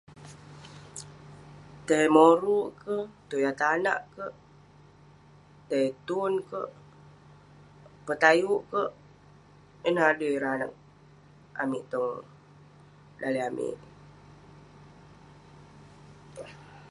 Tai moruk kerk, tuyah tanak kerk, tai tun kerk, petayuk kerk..ineh adui ireh anag amik tong daleh amik..